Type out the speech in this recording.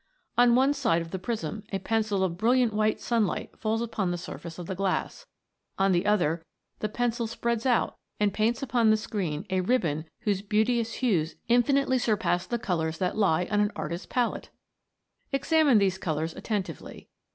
On one side of the prism a pencil of brilliant white sunlight falls upon the surface of the glass ; on the other the pencil spreads out and paints upon the screen a ribbon whose beauteous hues infinitely sur pass the colours that lie on the artist's palette ! Examine these colours attentively.